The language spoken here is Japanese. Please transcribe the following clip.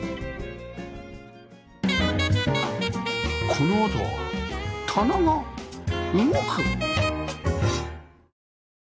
このあとは棚が動く？